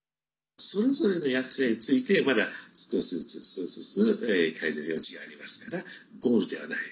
それぞれの薬剤についてまだ少しずつ少しずつ改善の余地がありますからゴールではない。